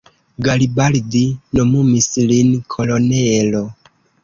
Garibaldi nomumis lin kolonelo.